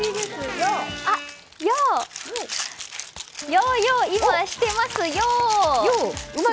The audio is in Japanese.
ヨーヨー、今してますＹＯ！